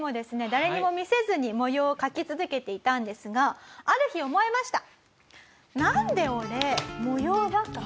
誰にも見せずに模様を描き続けていたんですがある日思いました。